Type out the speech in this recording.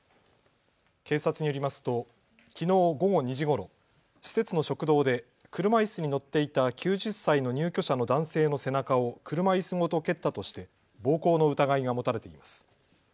警察によりますときのう午後２時ごろ、施設の食堂で車いすに乗っていた９０歳の入居者の男性の背中を車いすごと蹴ったとして暴行の疑いが持たれています。